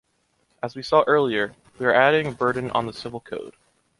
As we saw earlier, we are adding a burden on the civil code.